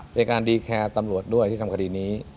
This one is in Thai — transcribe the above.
ในการดีแคร์ตำรวจด้วยที่ทำคดีนี้